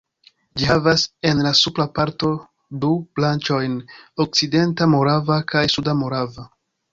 Ĝi havas en la supra parto du branĉojn, Okcidenta Morava kaj Suda Morava.